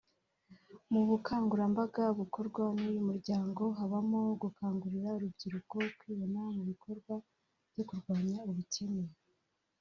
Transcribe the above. Mu bukangurambaga bukorwa n’uyu muryango habamo gukangurira urubyiruko kwibona mu bikorwa byo kurwanya ubukene